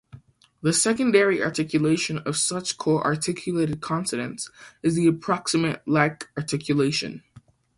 The secondary articulation of such co-articulated consonants is the approximant-like articulation.